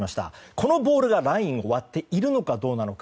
このボールがラインを割っているのかどうなのか。